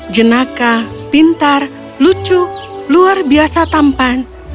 jenaka pintar lucu luar biasa tampan